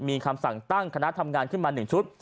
มีคำสั่งตั้งคณะทำงานขึ้นมา๑ชุด